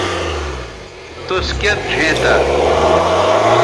توس کیئت ڙھئیں تھا